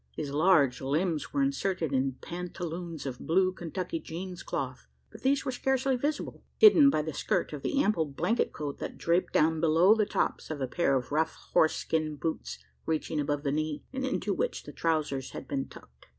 His large limbs were inserted in pantaloons of blue Kentucky jeans cloth; but these were scarcely visible, hidden by the skirt of the ample blanket coat that draped down below the tops of a pair of rough horse skin boots reaching above the knee, and into which the trousers had been tucked.